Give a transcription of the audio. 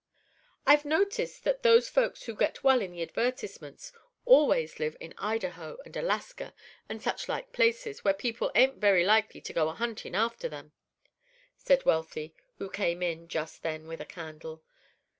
"I've noticed that those folks who get well in the advertisements always live in Idaho and Alaska and such like places, where people ain't very likely to go a hunting after them," said Wealthy, who came in just then with a candle.